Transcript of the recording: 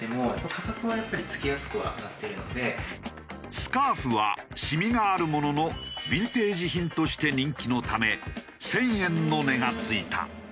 スカーフはシミがあるもののヴィンテージ品として人気のため１０００円の値が付いた。